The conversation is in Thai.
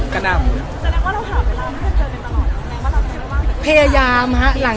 พยายามฮะ